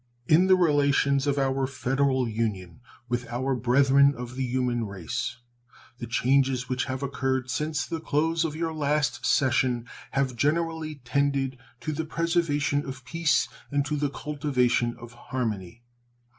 In the relations of our Federal Union with our brethren of the human race the changes which have occurred since the close of your last session have generally tended to the preservation of peace and to the cultivation of harmony.